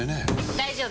大丈夫！